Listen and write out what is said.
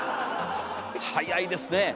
早いですねえ。